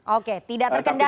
oke tidak terkendali